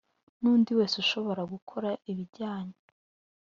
n undi wese ushobora gukora ibijyanye